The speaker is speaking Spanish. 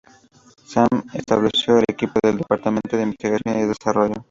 Sam estableció el equipo del departamento de investigación y desarrollo.